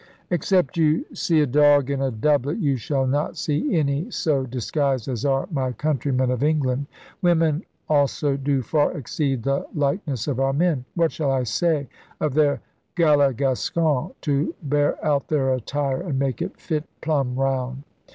Except you see a dog in a doublet you shall not see any so disguised as are my countrymen of England. Women also do far exceed the light ness of our men. What shall I say of their galli gascons to bear out their attire and make it fit plum round?'